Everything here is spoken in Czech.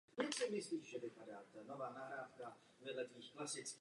Všem bych chtěl položit otázku.